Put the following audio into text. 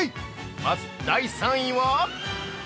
まず第３位は？